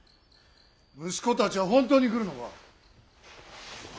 息子たちは本当に来るのか。